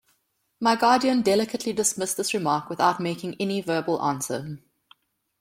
My guardian delicately dismissed this remark without making any verbal answer.